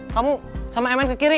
kamu sama mn ke kiri